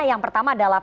yang pertama adalah